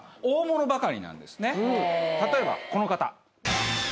例えばこの方。